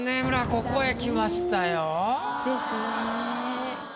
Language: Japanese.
ここへきましたよ。ですね。